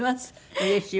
うれしいわ。